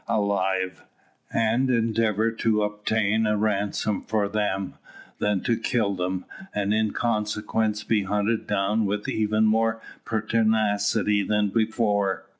alive, and endeavour to obtain a ransom for them, than to kill them, and in consequence be hunted down with even more pertinacity than before.